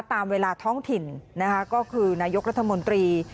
ตามเวลาท้องถิ่นนะคะก็คือนายกรัฐมนตรี